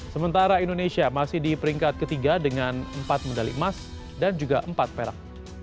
sementara indonesia masih di peringkat ketiga dengan empat medali emas dan juga empat perak